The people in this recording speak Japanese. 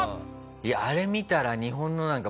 いやあれ見たら。